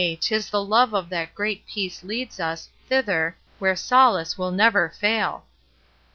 'tis the love of that great peace leads us Thither, where solace will never fail!